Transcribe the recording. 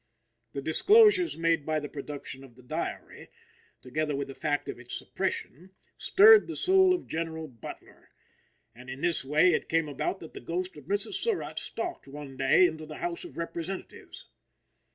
The disclosures made by the production of the diary, together with the fact of its suppression, stirred the soul of General Butler; and, in this way, it came about that the ghost of Mrs. Surratt stalked one day into the House of Representatives.